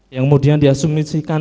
yang kemudian diasumisikan